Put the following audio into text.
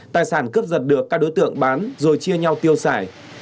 tài sản cướp giật được các đối tượng bán rồi chia nhau tiêu xài